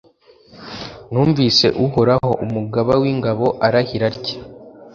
Numvise Uhoraho, Umugaba w’ingabo arahira atya: